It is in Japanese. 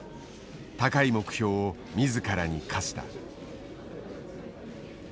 高い目標を自らに課した。